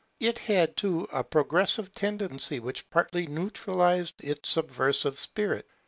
It had, too, a progressive tendency, which partly neutralized its subversive spirit.